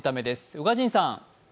宇賀神さん。